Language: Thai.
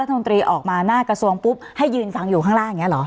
รัฐมนตรีออกมาหน้ากระทรวงปุ๊บให้ยืนฟังอยู่ข้างล่างอย่างนี้เหรอ